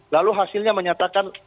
lalu hasilnya menyatakan